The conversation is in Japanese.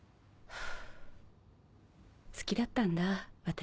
好きだったんだ私。